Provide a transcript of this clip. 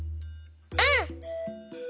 うん！